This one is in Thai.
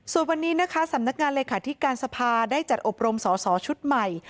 ส่วนวันนี้นะคะสำนักงานเลขาธิการสภาได้จัดอบรมสอสอชุดใหม่